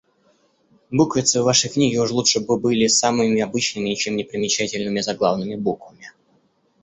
Буквицы в вашей книге уж лучше бы были самыми обычными ничем непримечательными заглавными буквами.